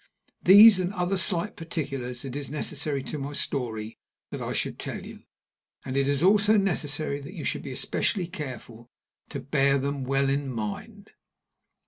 These and other slight particulars it is necessary to my story that I should tell you, and it is also necessary that you should be especially careful to bear them well in mind.